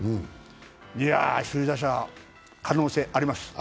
いやあ、首位打者可能性、あります。